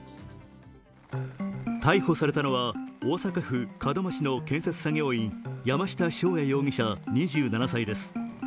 逮捕されたのは、大阪府門真市の建設作業員、山下翔也容疑者２７歳です。